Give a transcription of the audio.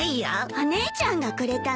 お姉ちゃんがくれたのよ。